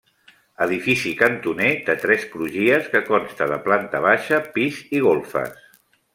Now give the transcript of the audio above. Edifici cantoner de tres crugies que consta de planta baixa, pis i golfes.